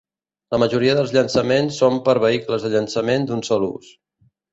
La majoria dels llançaments són per vehicles de llançament d'un sol ús.